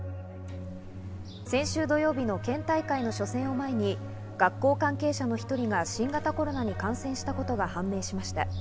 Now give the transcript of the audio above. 先週土曜日の県大会の初戦を前に、学校関係者の１人が新型コロナに感染したことが判明しました。